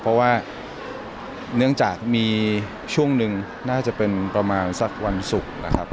เพราะว่าเนื่องจากมีช่วงหนึ่งน่าจะเป็นประมาณสักวันศุกร์นะครับ